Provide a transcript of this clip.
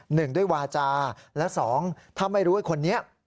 หนึ่งด้วยวาจาและสองถ้าไม่รู้ว่าคนนี้